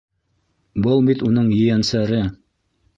Был бит уның ейәнсәре.